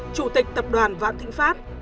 chủ tịch tập đoàn vạn thịnh pháp